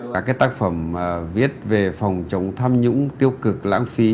các tác phẩm viết về phòng chống tham nhũng tiêu cực lãng phí